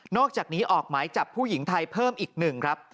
อกจากนี้ออกหมายจับผู้หญิงไทยเพิ่มอีกหนึ่งครับ